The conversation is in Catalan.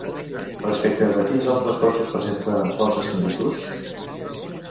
Respecte de quins altres cossos presenta força similituds?